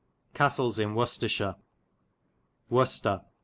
Castles in Wicestreshire. Wicester.